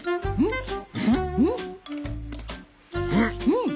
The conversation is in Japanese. うん。